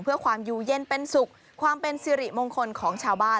เพื่อความอยู่เย็นเป็นสุขความเป็นสิริมงคลของชาวบ้าน